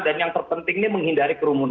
dan yang terpenting ini menghindari kerumunan